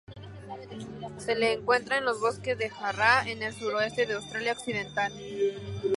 Se le encuentra en los bosques de Jarrah en el suroeste de Australia Occidental.